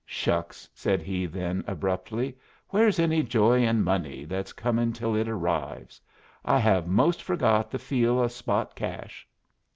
"Shucks!" said he then, abruptly, "where's any joy in money that's comin' till it arrives? I have most forgot the feel o' spot cash."